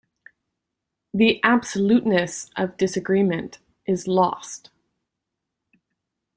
The absoluteness of disagreement is lost.